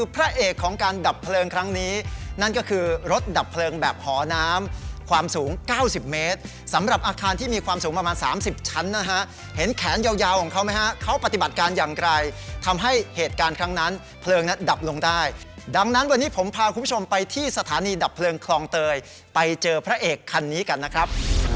พระเอกของการดับเพลิงครั้งนี้นั่นก็คือรถดับเพลิงแบบหอน้ำความสูง๙๐เมตรสำหรับอาคารที่มีความสูงประมาณ๓๐ชั้นนะฮะเห็นแขนยาวของเขาไหมฮะเขาปฏิบัติการอย่างไรทำให้เหตุการณ์ครั้งนั้นเพลิงนั้นดับลงได้ดังนั้นวันนี้ผมพาคุณผู้ชมไปที่สถานีดับเพลิงคลองเตยไปเจอพระเอกคันนี้กันนะครับ